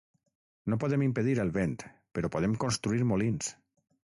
No podem impedir el vent, però podem construir molins.